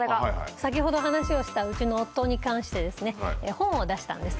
先ほど話をしたうちの夫に関して本を出したんです。